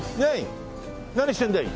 何してんだい？